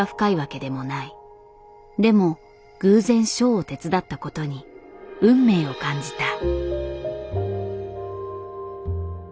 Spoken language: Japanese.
でも偶然ショーを手伝った事に運命を感じた。